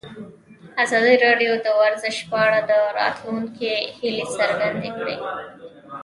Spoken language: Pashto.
ازادي راډیو د ورزش په اړه د راتلونکي هیلې څرګندې کړې.